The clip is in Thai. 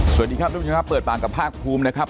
สวัสดีครับทุกคนเปิดปากกับภาคภูมินะครับ